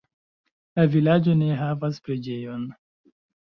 La vilaĝo ne havas preĝejon.